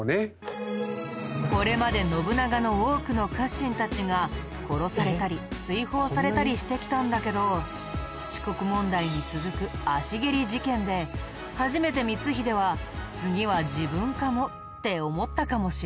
これまで信長の多くの家臣たちが殺されたり追放されたりしてきたんだけど四国問題に続く足蹴り事件で初めて光秀は次は自分かもって思ったかもしれないね。